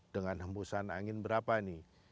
dengan hembusan angin berapa ini